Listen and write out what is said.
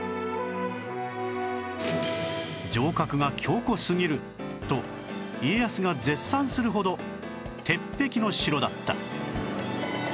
城郭が強固すぎると家康が絶賛するほど鉄壁の城だった